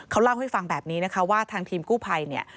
เขาเล่าให้ฟังแบบนี้ว่าทางทีมกู้ไพร